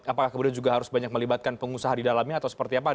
apakah kemudian juga harus banyak melibatkan pengusaha di dalamnya atau seperti apa